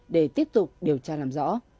để tiếp tục điều tra làm rõ